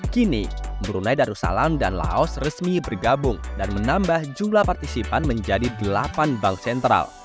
kini brunei darussalam dan laos resmi bergabung dan menambah jumlah partisipan menjadi delapan bank sentral